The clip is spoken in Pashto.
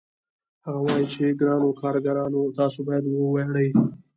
هغه وايي چې ګرانو کارګرانو تاسو باید وویاړئ